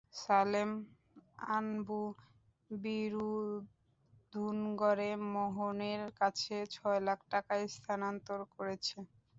সালেম, আনবু বিরুধুনগরে মোহনের কাছে ছয় লাখ টাকা স্থানান্তর করেছে।